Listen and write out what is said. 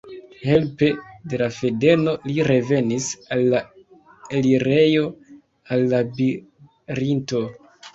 Helpe de la fadeno li revenis al la elirejo el Labirinto.